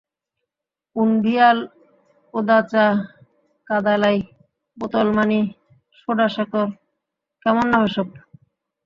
উনডিয়াল, ওদাচা কাদালাই, বোতল মানি, সোডা শেখর, কেমন নাম এসব?